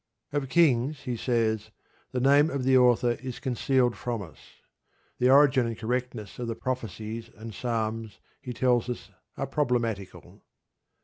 Of Kings he says: "The name of the author is concealed from us." The origin and correctness of the Prophecies and Psalms, he tells us, are problematical.